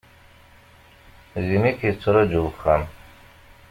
Din i k-yetraju wexxam.